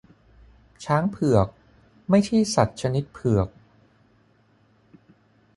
ช้างเผือก ไม่ใช่สัตว์ชนิดเผือก